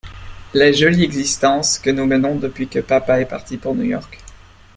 La jolie existence que nous menons depuis que papa est parti pour New-York !